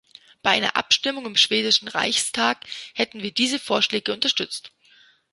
Bei einer Abstimmung im schwedischen Reichstag hätten wir diese Vorschläge unterstützt.